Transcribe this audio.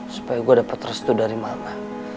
supaya aku dapat restu dari mama